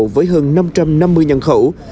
với hơn năm trăm năm mươi nhân khẩu